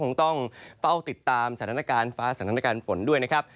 คงต้องเฝ้าติดตามสถานการณ์ฟ้าสถานการณ์ฝนด้วยนะครับ